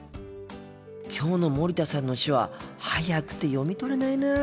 きょうの森田さんの手話速くて読み取れないなあ。